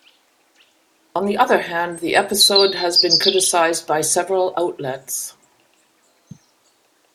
On the other hand, the episode has been criticized by several outlets.